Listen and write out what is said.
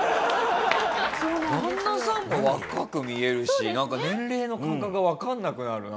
旦那さんも若く見えるしなんか年齢の感覚がわかんなくなるな。